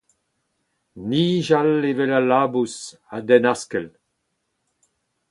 Nijal evel al labous, a-denn askell !